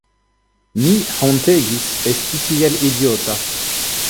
Mi hontegis esti tiel idiota.